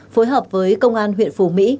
phối hợp với công an huyện phù mỹ